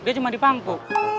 dia cuma di pangku